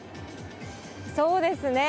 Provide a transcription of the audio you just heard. そうですね。